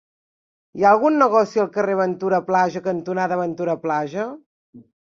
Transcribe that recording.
Hi ha algun negoci al carrer Ventura Plaja cantonada Ventura Plaja?